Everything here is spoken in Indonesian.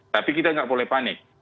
tapi kita nggak boleh panik